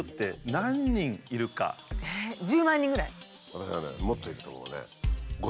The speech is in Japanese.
私はねもっといくと思うね。